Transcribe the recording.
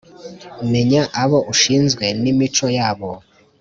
menya abo ushinzwe n’imico yabo